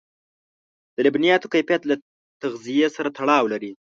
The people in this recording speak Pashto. د لبنیاتو کیفیت له تغذيې سره تړاو لري.